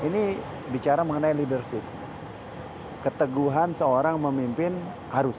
ini bicara mengenai leadership keteguhan seorang memimpin harus